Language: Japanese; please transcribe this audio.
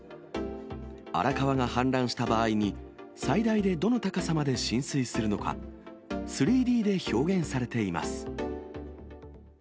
荒川が氾濫した場合に、最大でどの高さまで浸水するのか、３Ｄで表現されています。